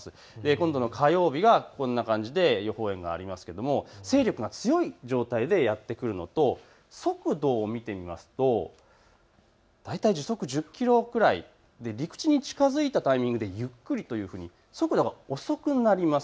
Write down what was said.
今度の火曜日がこんな感じで予報円がありますが勢力が強い状態でやって来るのと速度を見てみますと大体時速１０キロぐらいで陸地に近づいたタイミングでゆっくりというふうに速度が遅くなります。